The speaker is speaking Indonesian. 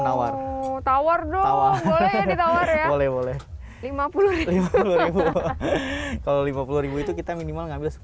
tawar tawar dong boleh ya di tawar ya boleh boleh lima puluh kalau lima puluh itu kita minimal ngambil sepuluh